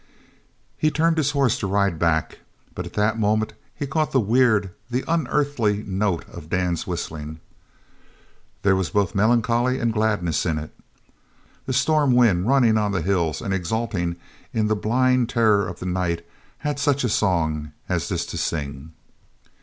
He turned his horse to ride back, but at that moment he caught the weird, the unearthly note of Dan's whistling. There was both melancholy and gladness in it. The storm wind running on the hills and exulting in the blind terror of the night had such a song as this to sing.